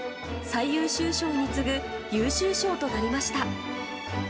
最優秀賞に次ぐ優秀賞となりました。